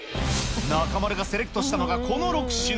中丸がセレクトしたのがこの６品。